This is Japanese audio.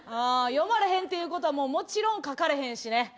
読まれへんっていうことはもうもちろん書かれへんしね。